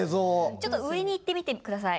ちょっと上に行ってみてください。